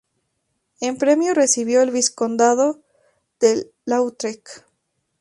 En premio recibió el vizcondado de Lautrec.